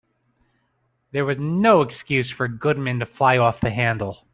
There was no excuse for Goodman to fly off the handle.